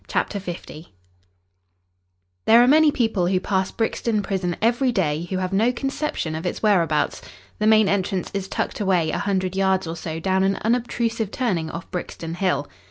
CHAPTER L There are many people who pass Brixton Prison everyday who have no conception of its whereabouts. The main entrance is tucked away a hundred yards or so down an unobtrusive turning off Brixton Hill.